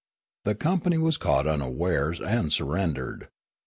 The company was caught unawares and sur rendered.